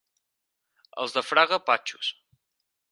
Els de Fraga, patxos.